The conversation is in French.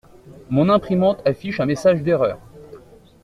Mon imprimante affiche un message d'erreur.